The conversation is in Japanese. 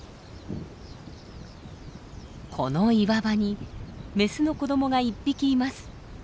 この岩場にメスの子どもが１匹います。